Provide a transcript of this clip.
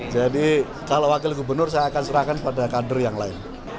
kalau wakil gubernur saya akan serahkan pada kader yang lain